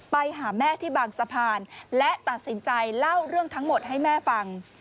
ไปหาแม่ที่บางสะพานและตัดสินใจเล่าเรื่องทั้งหมดให้แม่ฟัง